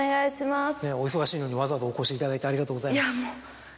お忙しいのにわざわざお越しいただいてありがとうございます。